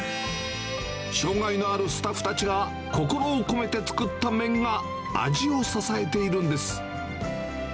障がいのあるスタッフたちが心を込めて作った麺が、味を支えているんです。